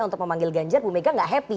untuk memanggil ganjar bu mega gak happy